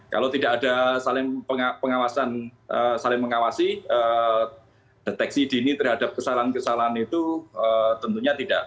kalau tidak ada saling pengawasan saling mengawasi deteksi dini terhadap kesalahan kesalahan itu tentunya tidak